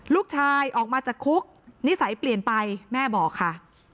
ลูกชายออกมาจากคุกนิสัยเปลี่ยนไปแม่บอกค่ะ